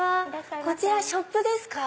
こちらショップですか？